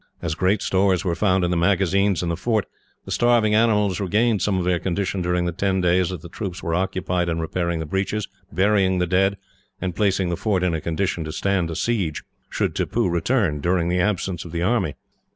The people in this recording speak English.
As great stores were found in the magazines in the fort, the starving animals regained some of their condition during the ten days that the troops were occupied in repairing the breaches, burying the dead, and placing the fort in a condition to stand a siege, should Tippoo return during the absence of the army.